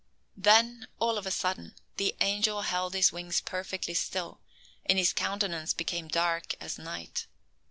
Then, all of a sudden, the angel held his wings perfectly still, and his countenance became dark as night.